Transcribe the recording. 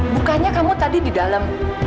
bukannya kamu tadi di dalam